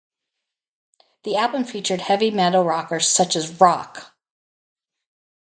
The album featured heavy metal rockers such as Rock!